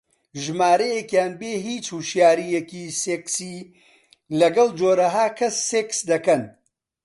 ژمارەیەکیان بێ هیچ هۆشیارییەکی سێکسی لەگەڵ جۆرەها کەس سێکس دەکەن